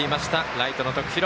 ライトの徳弘。